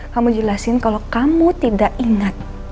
kamu jelasin kalau kamu tidak ingat